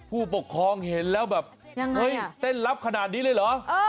ผู้ปกครองเห็นแล้วแบบเฮ้ยเต้นลับขนาดนี้เลยเหรอ